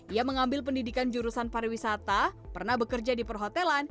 ia mengambil pendidikan jurusan pariwisata pernah bekerja di perhotelan